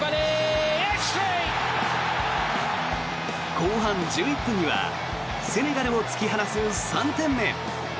後半１１分にはセネガルを突き放す３点目。